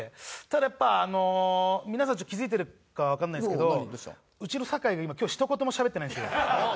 ただやっぱあの皆さん気付いてるかわかんないですけどうちの坂井が今今日ひと言もしゃべってないんですよ。